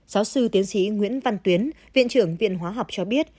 giáo sư tiến sĩ nguyễn văn tuyến viện trưởng viện hóa học cho biết